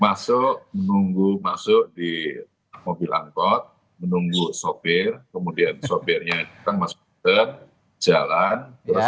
mas jep menunggu masuk di mobil angkot menunggu sopir kemudian sopirnya ditanggung masuk ke depan jalan